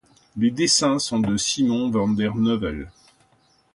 Les dessins sont de Simon Van der Novel.